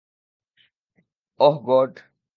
ওহ, god.